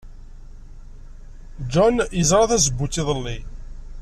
John yerẓa tazewwut iḍelli.